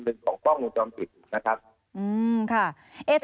ของป้องของจำจิต